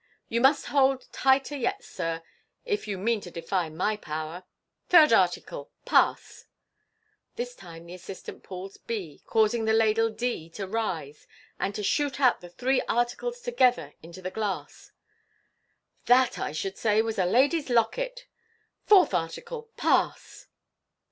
You must hold tighter yet, sir, if you mean to defy my power. Third article, pass ! M This time the assistant pulls b, causing the ladle d to rise, and to shoot out the three articles together into the glass. " That, I should say, was a lady's locket. Fourth article, pass